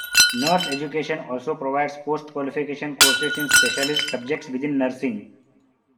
Nurse education also provides post-qualification courses in specialist subjects within nursing.